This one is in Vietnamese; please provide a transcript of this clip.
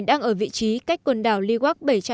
đang ở vị trí cách quần đảo leeward